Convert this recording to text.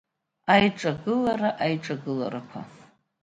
Аиҿагылара, аиҿагыларақәа…